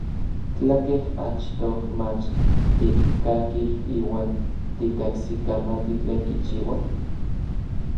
Tlakej achtoj mach tikkakij iuan tikajsikamati tlen kichiua?